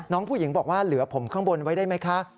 น้องผู้หญิงบอกว่าเหลือผมข้างบนไว้ได้ไหมคะ